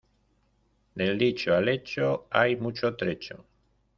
Del dicho al hecho hay mucho trecho.